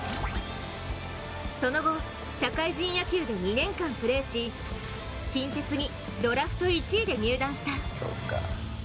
その後、社会人野球で２年間プレーし近鉄にドラフト１位で入団した。